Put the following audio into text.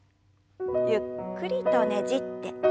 ゆっくりとねじって。